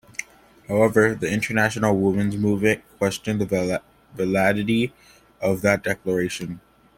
However, the international women's movement questioned the validity of that declaration.